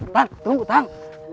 tang tunggu tang